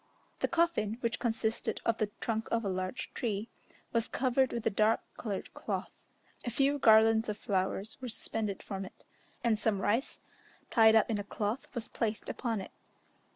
The coffin, which consisted of the trunk of a large tree, was covered with a dark coloured cloth; a few garlands of flowers were suspended from it, and some rice, tied up in a cloth, was placed upon it.